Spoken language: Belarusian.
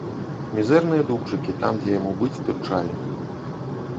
Мізэрныя дубчыкі там, дзе яму быць, тырчалі.